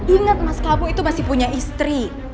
ingat mas kamu itu masih punya istri